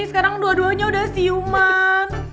sekarang dua duanya udah siuman